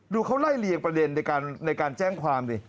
เขาไล่เลียงประเด็นในการแจ้งความดิ